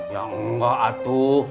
ya enggak atuh